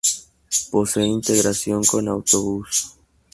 Posee integración con autobús.